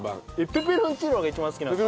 ペペロンチーノが一番好きなんですか？